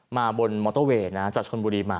มาบนมอเตอร์เวย์จากชนบุรีมา